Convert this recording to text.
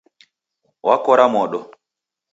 Wakora modo